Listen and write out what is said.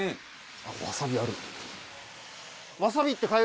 あっわさびある。